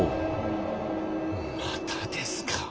またですか。